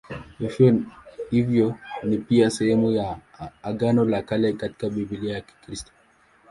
Hivyo ni pia sehemu ya Agano la Kale katika Biblia ya Kikristo.